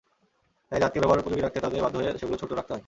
তাই দাঁতকে ব্যবহারোপযোগী রাখতে তাদের বাধ্য হয়ে সেগুলো ছোট রাখতে হয়।